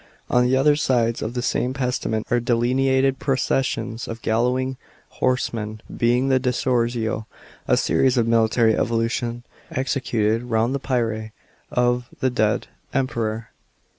On the other sides of the same postament are delineated processions of galloping horse men— being the decursio, a series of military evolutions, executed round the pyre of the dead Emperor.